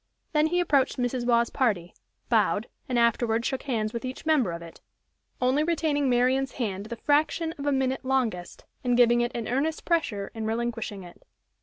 Then he approached Mrs. Waugh's party, bowed, and afterward shook hands with each member of it, only retaining Marian's hand the fraction of a minute longest, and giving it an earnest pressure in relinquishing it.